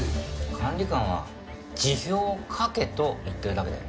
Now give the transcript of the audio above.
管理官は「辞表を書け」と言ってるだけだよ。